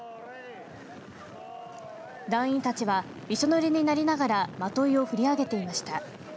団員たちはびしょぬれになりながらまといを振り上げていました。